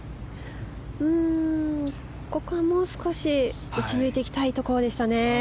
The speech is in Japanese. ここはもう少し打ち抜いていきたいところでしたね。